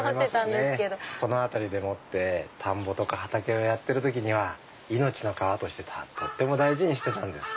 この辺りでもって田んぼとか畑をやってる時には命の川として大事にしてたんです。